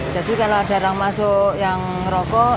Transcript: jadi kalau ada orang masuk yang rokok